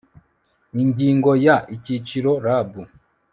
Ingingo ya Icyiciro RAB